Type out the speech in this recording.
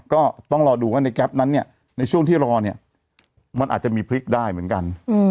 ก็ต้องรอดูว่าในกลับนั้นเฉิงที่รอมันอาจจะมีพลิกได้เหมือนกัน